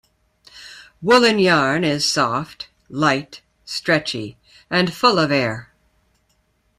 Woolen yarn is soft, light, stretchy, and full of air.